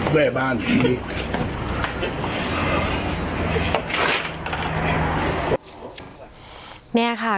นี้ค่ะบางทีก็ถึงนี่ค่ะ